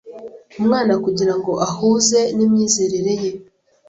Umwana kugira ngo ahuze n'imyizerere ye